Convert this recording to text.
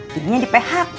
jadinya di phk